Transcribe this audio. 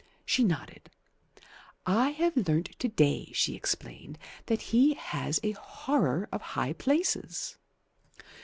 She nodded. "I have learnt to day," she explained, "that he has a horror of high places."